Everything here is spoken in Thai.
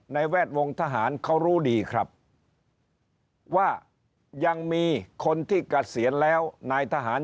แวดวงทหารเขารู้ดีครับว่ายังมีคนที่เกษียณแล้วนายทหาร